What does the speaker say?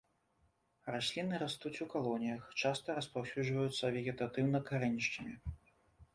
Расліны растуць у калоніях, часта распаўсюджваюцца вегетатыўна карэнішчамі.